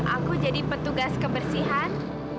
aku jadi petugas kebersihan